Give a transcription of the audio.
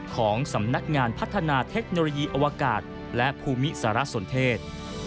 ของสำนักงานพัฒนาเทคโนโลยีอวกาศและภูมิสารสนเทศ